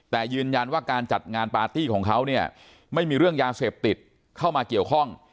แต่ยืนยันว่าการจัดงานปาร์ตี้ของเขาเนี่ยไม่มีเรื่องยาเสพติดเข้ามาเกี่ยวข้อง